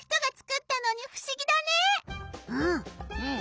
うん。